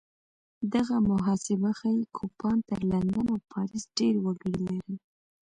دغه محاسبه ښيي کوپان تر لندن او پاریس ډېر وګړي لرل.